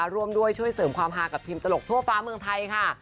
ร่วมด้วยช่วยเสริมความฮากับทีมตลกทั่วฟ้าเมืองไทยค่ะ